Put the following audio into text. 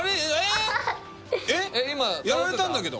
えやられたんだけど？